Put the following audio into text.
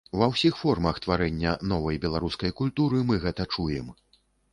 Ва ўсіх формах тварэння новай беларускай культуры мы гэта чуем.